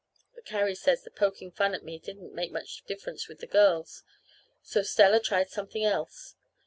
But Carrie says the poking fun at me didn't make much difference with the girls, so Stella tried something else.